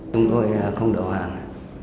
chúng tôi không đầu hàng